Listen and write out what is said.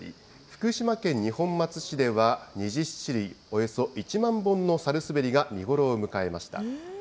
福島県二本松市では２０種類およそ１万本のサルスベリが見頃を迎えました。